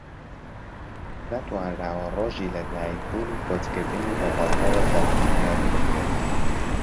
نەتوانراوە ڕۆژی لە دایک بوون و کۆچکردنی بە بەڵگەوە دەقیق دیاری بکرێت